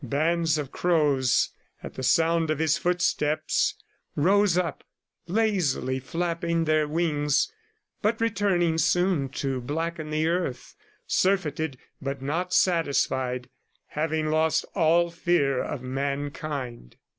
Bands of crows, at the sound of his footsteps, rose up, lazily flapping their wings, but returning soon to blacken the earth, surfeited but not satisfied, having lost all fear of mankind.